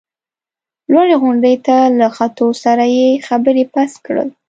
لوړې غونډۍ ته له ختو سره یې خبرې بس کړل.